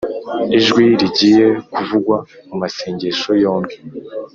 ijwi rigiye kuvugwa mumasengesho yombi